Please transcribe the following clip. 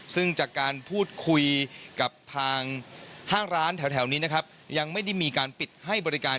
ซึ่งจากการพูดคุยกับทางห้างร้านแถวนี้นะครับยังไม่ได้มีการปิดให้บริการ